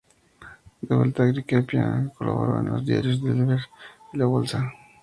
De vuelta en Arequipa, colaboró en los diarios "El Deber" y "La Bolsa".